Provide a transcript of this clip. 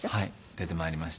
出てまいりました。